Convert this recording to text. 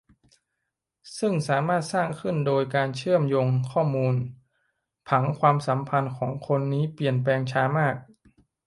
ซึ่งสามารถสร้างขึ้นโดยการเชื่อมโยงข้อมูล - ผังความสัมพันธ์ของคนนี้เปลี่ยนแปลงช้ามาก